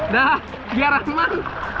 dah biar aman